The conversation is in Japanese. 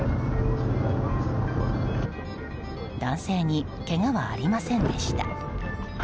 男性に、けがはありませんでした。